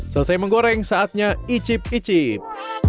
selesai menggoreng saatnya icip icip